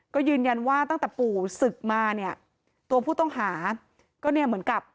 ก็ยืนยันว่าตั้งแต่ปู่ศึกมาเนี่ยตัวผู้ต้องหาก็เนี่ยเหมือนกับ